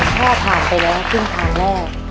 พ่อผ่านไปแล้วครึ่งทางแรก